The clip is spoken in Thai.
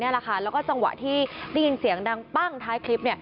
แล้วก็จังหวะที่ได้ยินเสียงดังปั้งท้ายคลิป